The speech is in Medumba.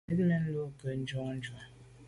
Zit mèn lo kô ne jun ju à.